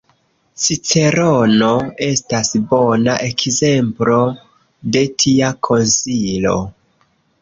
Cicerono estas bona ekzemplo de tia konsilo.